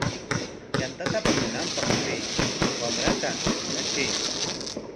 Yantata apamunanpaq chay wamrata katray.